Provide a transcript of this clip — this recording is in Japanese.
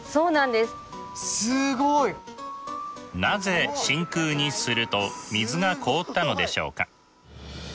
なぜ真空にすると水が凍ったのでしょうか？